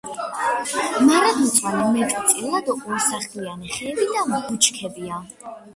მარადმწვანე, მეტწილად ორსახლიანი ხეები და ბუჩქებია.